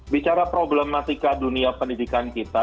bicara problematika dunia pendidikan kita